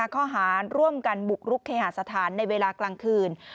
ข้อหาร่วมกันบุกรุกเคหาสถานในเวลากลางคืน